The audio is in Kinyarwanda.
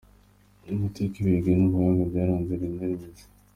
Amateka , ibigwi n’ubuhanga byaranze Lionel Messi.